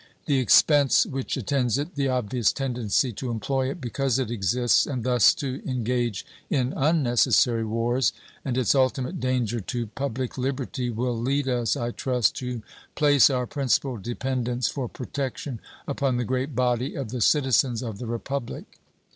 The expense which attends it, the obvious tendency to employ it because it exists and thus to engage in unnecessary wars, and its ultimate danger to public liberty will lead us, I trust, to place our principal dependence for protection upon the great body of the citizens of the Republic.